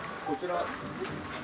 こちら。